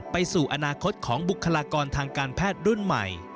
สู่อนาคตของบุคลากรทางการแพทย์รุ่นใหม่